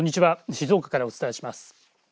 静岡からお伝えします。